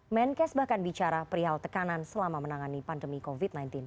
menkes bahkan bicara perihal tekanan selama menangani pandemi covid sembilan belas